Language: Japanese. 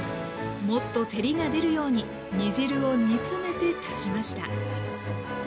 もっと照りが出るように煮汁を煮詰めて足しました